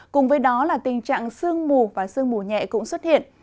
cùng với đó là tình trạng sương mù và sương mù nhẹ cũng xuất hiện